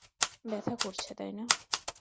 ব্যাথা করছে, তাই না?